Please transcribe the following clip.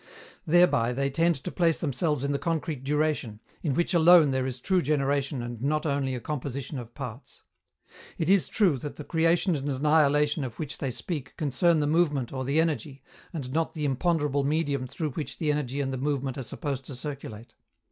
Thereby they tend to place themselves in the concrete duration, in which alone there is true generation and not only a composition of parts. It is true that the creation and annihilation of which they speak concern the movement or the energy, and not the imponderable medium through which the energy and the movement are supposed to circulate.